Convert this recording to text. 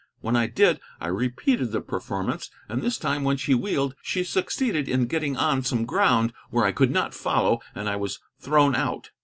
When I did I repeated the performance, and this time when she wheeled she succeeded in getting on some ground where I could not follow, and I was thrown out.